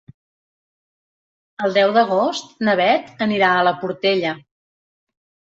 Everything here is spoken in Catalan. El deu d'agost na Beth anirà a la Portella.